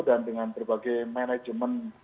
dan dengan berbagai manajemen